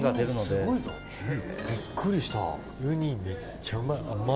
横尾：ウニ、めっちゃうまい。